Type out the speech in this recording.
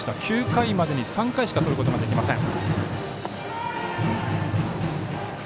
９回までに３回しかとることができません。